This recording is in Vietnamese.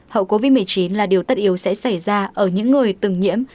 hậu covid một mươi chín là điều tất yếu sẽ xảy ra ở những người từng nhiễm